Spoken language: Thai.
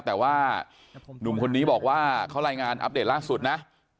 แต่ว่าหนุ่มคนนี้บอกว่าเขารายงานอัปเดตล่าสุดนะ